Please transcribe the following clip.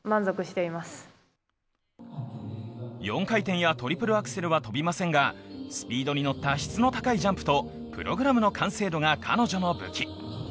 ４回転やトリプルアクセルは跳びませんが、スピードに乗った質の高いジャンプとプログラムの完成度が彼女の武器。